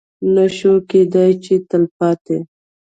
نه شوای کېدی چې د تلپاتې